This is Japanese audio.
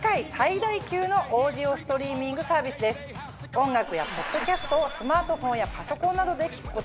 音楽やポッドキャストをスマートフォンやパソコンなどで聴くことができ